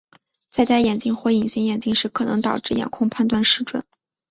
在戴眼镜或隐形眼镜时可能导致眼控判断失准。